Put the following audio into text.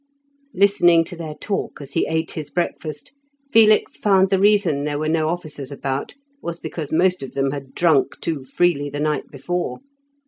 Listening to their talk as he ate his breakfast, Felix found the reason there were no officers about was because most of them had drunk too freely the night before.